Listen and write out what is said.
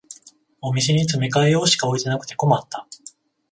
お店に詰め替え用しか置いてなくて困った